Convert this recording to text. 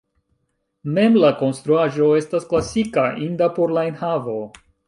Mem la konstruaĵo estas klasika, inda por la enhavo.